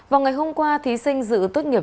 vào ngày hôm qua thí sinh dự tốt nghiệp